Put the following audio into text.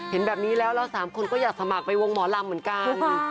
เห็นแบบนี้แล้วเราสามคนก็อยากสมัครไปวงหมอลำเหมือนกัน